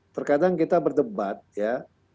terkadang kita berdebat ya